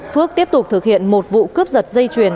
phước tiếp tục thực hiện một vụ cướp giật dây chuyền